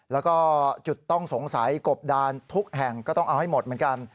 แล้วก็จุดต้องสงสัยกบดานทุกแห่งก็ต้องเอาให้หมดเหมือนกัน